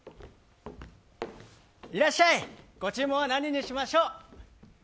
いらっしゃいご注文は何にしましょう。